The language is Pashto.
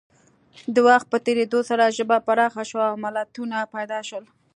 د وخت په تېرېدو سره ژبه پراخه شوه او متلونه پیدا شول